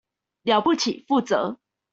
了不起，負責